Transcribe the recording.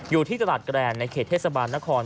อยู่ที่ตลาดแกรนในเขตเทศบาลนคร